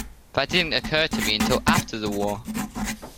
That didn't occur to me until after the war.